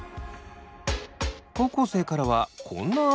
高校生からはこんな汗の疑問が。